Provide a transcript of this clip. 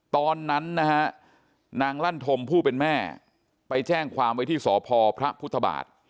ตอนนั้นนะฮะนางลั่นธมผู้เป็นแม่ไปแจ้งความไว้ที่สพพระพุทธบาท